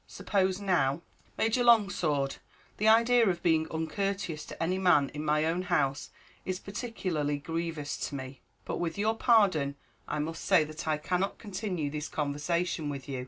Suppose now " "Major Longsword, the idea of being uncourteous to any man in my own house is particularly grievous to me; but with your pardon I must say that I cannot continue this conversation with you.